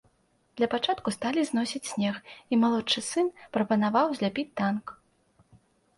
Для пачатку сталі зносіць снег, і малодшы сын прапанаваў зляпіць танк.